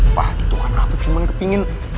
wah gitu kan aku cuma kepingin